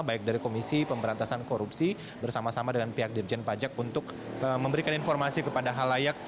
baik dari komisi pemberantasan korupsi bersama sama dengan pihak dirjen pajak untuk memberikan informasi kepada halayak